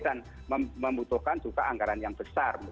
dan membutuhkan juga anggaran yang besar